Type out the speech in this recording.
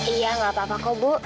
iya gak apa apaku ibu